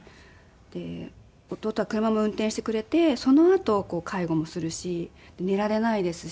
で弟は車も運転してくれてそのあと介護もするし寝られないですし。